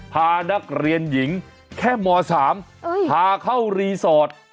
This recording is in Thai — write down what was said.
พานักเรียนหญิงแค่ม๓พาเข้ารีสอร์ท